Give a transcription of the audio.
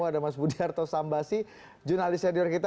ada mas budiarto sambasi jurnalis senior kita